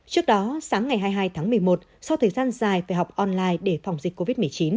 trước đó sáng ngày hai mươi hai tháng một mươi một sau thời gian dài phải học online để phòng dịch covid một mươi chín